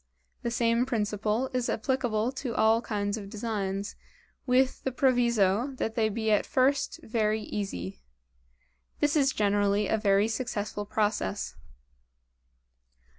The same principle is applicable to all kinds of designs, with the proviso that they be at first very easy. This is generally a very successful process.